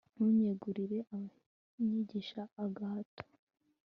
ntunyegurire abanyisha agahato